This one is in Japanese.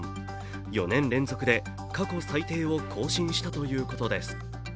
４年連続で過去最低を更新したということです。